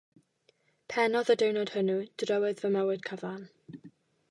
Pennodd y diwrnod hwnnw drywydd fy mywyd cyfan.